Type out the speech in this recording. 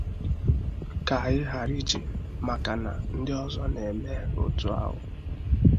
ka anyị ghara iji maka na ndị ọzọ na-eme otu ahụ